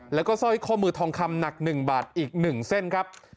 แล้วก็สร้อยข้อมือทองคำหนัก๑บาทอีก๑เส้นครับ